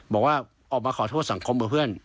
บอกว่าออกมาขอโทษสังคมกับเพื่อน